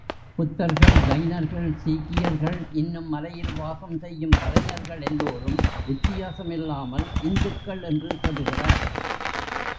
புத்தர்கள், ஜைனர்கள், சீக்கியர்கள், இன்னும் மலையில் வாசம் செய்யும் கலைஞர்கள் எல்லோரும் வித்தியாசமில்லாமல் இந்துக்கள் என்று சொல்லுகிறார்.